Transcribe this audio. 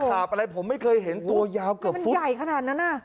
หาบอะไรผมไม่เคยเห็นตัวยาวเกือบฟุตใหญ่ขนาดนั้นอ่ะ